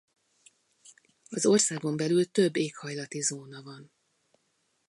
Az országon belül több éghajlati zóna van.